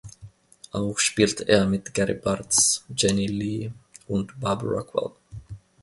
Auch spielte er mit Gary Bartz, Jeanne Lee und Bob Rockwell.